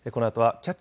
「キャッチ！